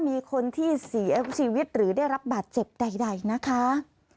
มีคนที่เสียชีวิตหรือได้รับบาดเจ็บใดนะคะ